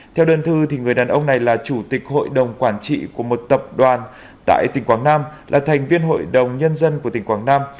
theo đơn thư người đàn ông này là chủ tịch hội đồng quản trị của một tập đoàn tại tỉnh quảng nam là thành viên hội đồng nhân dân của tỉnh quảng nam